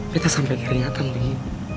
betap sampai keringatan lagi